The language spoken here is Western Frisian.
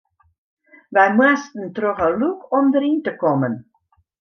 Wy moasten troch in lûk om deryn te kommen.